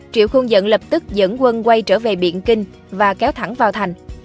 triệu khuôn dẫn lập tức dẫn quân quay trở về biện kinh và kéo thẳng vào thành